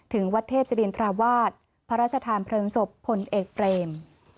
ถึงวัดเทพศรินทราวาสพระราชทานเพลิงศพพลเอกเปรม